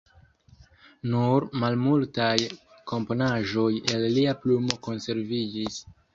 Nur malmultaj komponaĵoj el lia plumo konserviĝis.